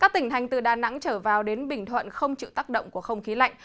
tỉnh thành từ đà nẵng trở vào đến bình thuận không chịu tác động của không khí lạnh